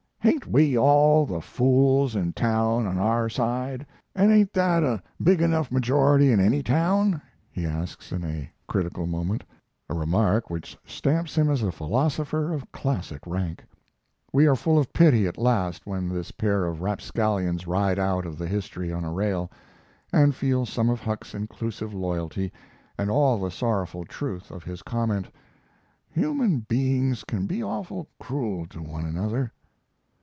"Hain't we all the fools in town on our side? and ain't that a big enough majority in any town?" he asks in a critical moment a remark which stamps him as a philosopher of classic rank. We are full of pity at last when this pair of rapscallions ride out of the history on a rail, and feel some of Huck's inclusive loyalty and all the sorrowful truth of his comment: "Human beings can be awful cruel to one another."